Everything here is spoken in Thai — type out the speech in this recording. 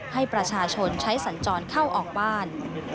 ให้ประชาชนใช้สัญจรเข้าออกบ้าน